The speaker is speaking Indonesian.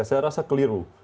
saya rasa keliru